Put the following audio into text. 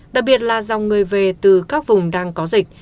đặc biệt là dòng người về từ các vùng đang có dịch